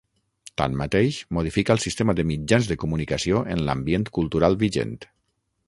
Tanmateix, modifica el sistema de mitjans de comunicació en l’ambient cultural vigent.